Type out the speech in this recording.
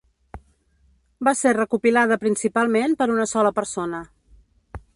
Va ser recopilada principalment per una sola persona.